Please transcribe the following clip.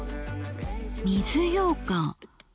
「水ようかん」。